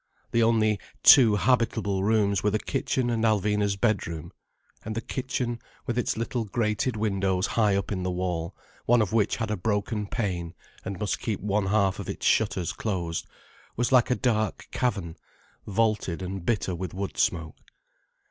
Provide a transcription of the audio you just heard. The only two habitable rooms were the kitchen and Alvina's bedroom: and the kitchen, with its little grated windows high up in the wall, one of which had a broken pane and must keep one half of its shutters closed, was like a dark cavern vaulted and bitter with wood smoke.